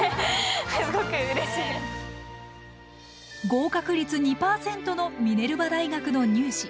合格率２％のミネルバ大学の入試。